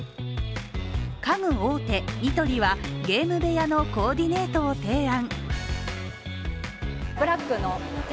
家具大手・ニトリはゲーム部屋のコーディネートを提案。